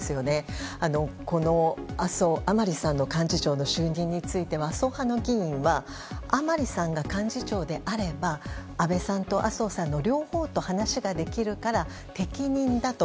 この甘利さんの幹事長就任については麻生派の議員は甘利さんが幹事長であれば安倍さんと麻生さんの両方と話ができるから適任だと。